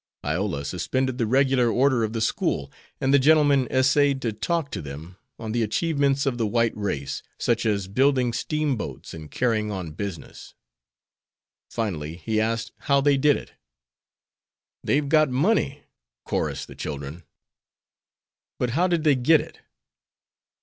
Iola suspended the regular order of the school, and the gentleman essayed to talk to them on the achievements of the white race, such as building steamboats and carrying on business. Finally, he asked how they did it? "They've got money," chorused the children. "But how did they get it?"